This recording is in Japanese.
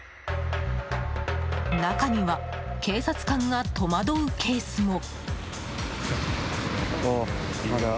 中には警察官が戸惑うケースも。